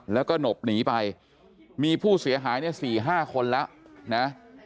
แล้วก็หนบหนีไปมีผู้เสียหายเนี่ยสี่ห้าคนละนะ